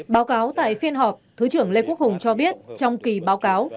báo cáo tại phiên họp thứ trưởng lê quốc hùng cho biết trong kỳ báo cáo